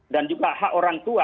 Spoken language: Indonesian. dan juga hak orang tua